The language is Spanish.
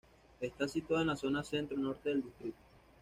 Está situado en la zona centro-norte del distrito.